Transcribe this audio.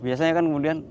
biasanya kan kemudian